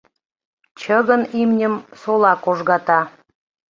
Чыгын имньым сола кожгата.